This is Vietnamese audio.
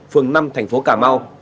phường năm thành phố cà mau